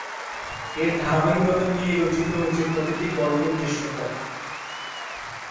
এই ধারাবাহিকতা নিয়েই রচিত হয়েছে প্রতিটি গল্পের দৃশ্যপট।